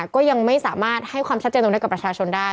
ก็ยังไม่สามารถให้ความชัดเจนตรงนั้นกับประชาชนได้